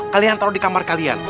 kalian taruh di kamar kalian